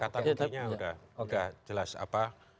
kata buktinya sudah jelas apa